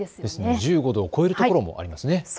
１５度、超える所もありますね。